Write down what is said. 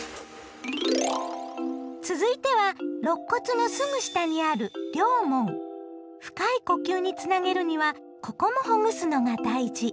続いてはろっ骨のすぐ下にある深い呼吸につなげるにはここもほぐすのが大事！